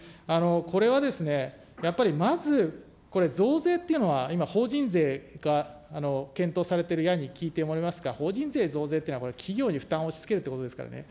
これはですね、やっぱりまずこれ増税っていうのは、今、法人税が検討されているやに聞いていると思いますが、法人税増税というのは企業に負担を押しつけるということですからね。